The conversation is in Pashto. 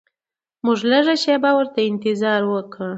موږ لږه شیبه ورته انتظار وکړ.